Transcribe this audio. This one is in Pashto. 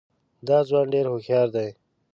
دا ځوان ډېر هوښیار دی.